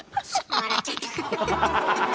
笑っちゃった。